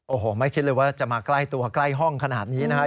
โอ้โหไม่คิดเลยว่าจะมาใกล้ตัวใกล้ห้องขนาดนี้นะครับ